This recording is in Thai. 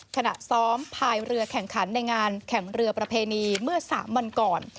ขณะซ้อมพายเรือแข่งขันในงานแข่งเรือประเพณีเมื่อ๓วันก่อน